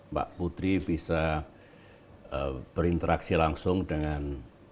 mbak putri bisa berinteraksi langsung dengan